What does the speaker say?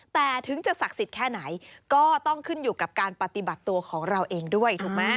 แต่ถึงจะศักดิ์สิทธิ์แค่ไหนก็ต้องขึ้นอยู่กับการปฏิบัติตัวของเราเองด้วยถูกไหม